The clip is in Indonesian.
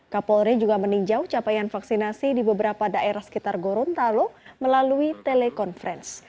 kapolri juga meninjau capaian vaksinasi di beberapa daerah sekitar gorontalo melalui telekonferensi